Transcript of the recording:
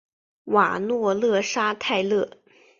瓦诺勒沙泰勒。